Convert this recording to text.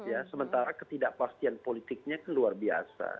ya sementara ketidakpastian politiknya itu luar biasa